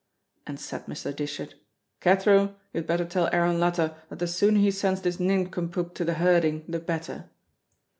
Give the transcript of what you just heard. And said Mr. Dishart, "Cathro, you had better tell Aaron Latta that the sooner he sends this nincompoop to the herding the better."